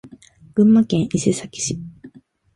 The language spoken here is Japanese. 群馬県伊勢崎市